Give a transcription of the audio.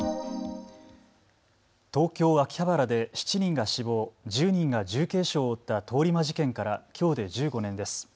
東京秋葉原で７人が死亡、１０人が重軽傷を負った通り魔事件からきょうで１５年です。